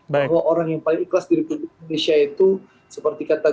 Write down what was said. bahwa orang yang paling ikhlas di republik indonesia itu seperti kata